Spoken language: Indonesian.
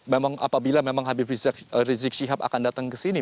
memang apabila memang habib rizik syihab akan datang ke sini